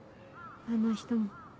あの人も。